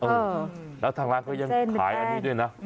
เออแล้วทางร้านก็ยังขายอันนี้ด้วยนะ